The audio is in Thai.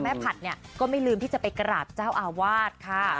แม่ผัดก็ไม่ลืมที่จะไปกราบเจ้าอาวาสค่ะ